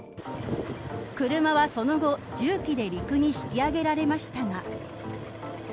車はその後、重機で陸に引き揚げられましたが。